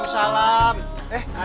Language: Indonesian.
ini sudah emas